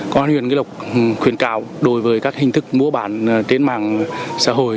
công an huyện nghi lộc khuyên cảo đối với các hình thức mua bản trên mạng xã hội